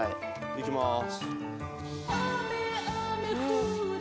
いきます。